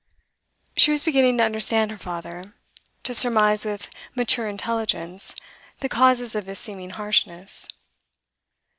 She was beginning to understand her father, to surmise with mature intelligence the causes of his seeming harshness.